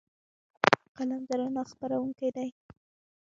قلم د رڼا خپروونکی دی